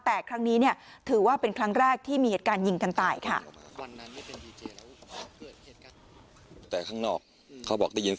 แต่ครั้งนี้เนี่ยถือว่าเป็นครั้งแรกที่มีเหตุการณ์ยิงกันตายค่ะ